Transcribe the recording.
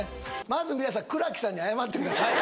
まず皆さん倉木さんに謝ってください